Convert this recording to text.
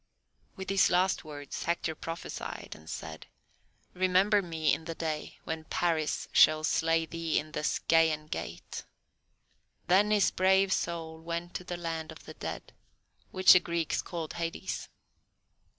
With his last words Hector prophesied and said, "Remember me in the day when Paris shall slay thee in the Scaean gate." Then his brave soul went to the land of the Dead, which the Greeks called Hades.